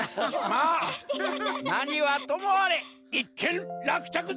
まあなにはともあれいっけんらくちゃく